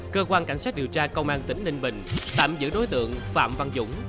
cơ quan cảnh sát điều tra công an tỉnh ninh bình tạm giữ đối tượng phạm văn dũng